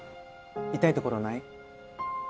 痛いところない？